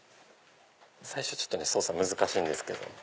最初操作難しいんですけど。